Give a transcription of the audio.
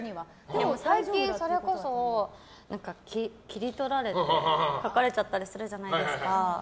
でも、最近それこそ切り取られて書かれちゃったりするじゃないですか。